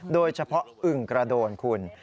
โดยเฉพาะอึงกระโดนคุณ